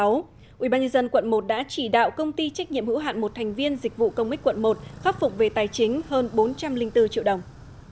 ubnd quận một đã chỉ đạo công ty trách nhiệm hữu hạn một thành viên dịch vụ công ích quận một khắc phục về tài chính hơn bốn trăm linh bốn triệu đồng